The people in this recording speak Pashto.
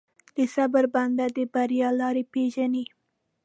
د صبر بنده، د بریا لاره پېژني.